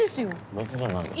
別じゃないです。